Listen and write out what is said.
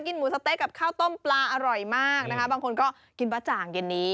หมูสะเต๊ะกับข้าวต้มปลาอร่อยมากนะคะบางคนก็กินบ๊ะจ่างเย็นนี้